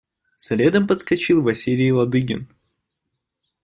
Следом подскочил Василий Ладыгин.